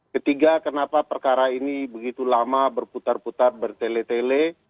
ketiga kenapa perkara ini begitu lama berputar putar bertele tele